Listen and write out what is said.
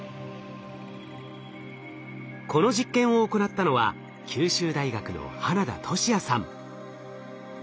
この実験を行ったのは九州大学の花田俊也さん。